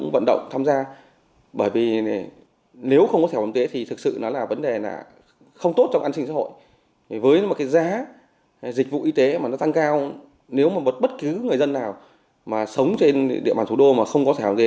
vấn đề là không tốt trong an sinh xã hội với giá dịch vụ y tế tăng cao nếu bất cứ người dân nào sống trên địa bàn thủ đô mà không có thẻo dế